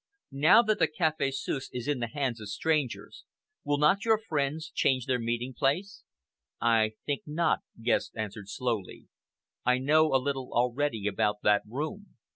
Now that the Café Suisse is in the hands of strangers, will not your friends change their meeting place?" "I think not," Guest answered slowly. "I know a little already about that room.